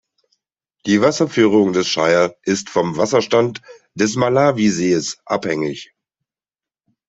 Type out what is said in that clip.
Die Wasserführung des Shire ist vom Wasserstand des Malawisees abhängig.